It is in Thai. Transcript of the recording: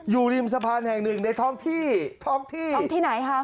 อยู่ริมสะพานแห่งหนึ่งในท้องที่ท้องที่ท้องที่ไหนคะ